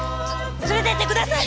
連れてってください！